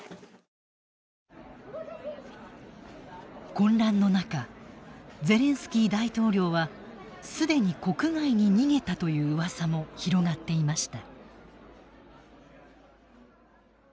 混乱の中「ゼレンスキー大統領は既に国外に逃げた」という噂も広がっていました。